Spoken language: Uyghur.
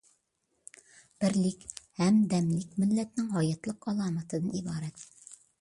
بىرلىك، ھەمدەملىك — مىللەتنىڭ ھاياتلىق ئالامىتىدىن ئىبارەت.